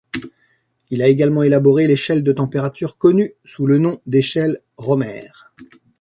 Il a également élaboré l'échelle de température connue sous le nom d'échelle Rømer.